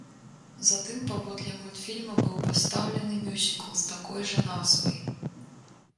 Затым паводле мультфільма быў пастаўлены мюзікл з такой жа назвай.